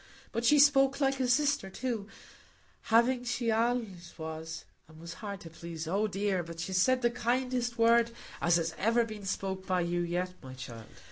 But she spoke like a sister, too; having she allays was, and hard to please,—oh dear!—but she's said the kindest word as has ever been spoke by you yet, my child.